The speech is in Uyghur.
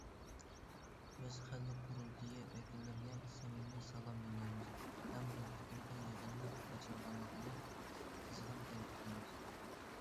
بىز خەلق قۇرۇلتىيى ۋەكىللىرىگە سەمىمىي سالام يوللايمىز ھەم بۇ قېتىمقى يىغىننىڭ ئېچىلغانلىقىنى قىزغىن تەبرىكلەيمىز!